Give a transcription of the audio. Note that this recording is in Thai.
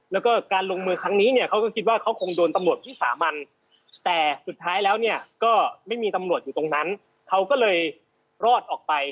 แล้วก็การลงมือครั้งนี้เนี่ยเขาก็คิดว่าเขาคงโดนตำรวจวิสามันแต่สุดท้ายแล้วเนี่ยก็ไม่มีตำรวจอยู่ตรงนั้นเขาก็เลยรอดออกไป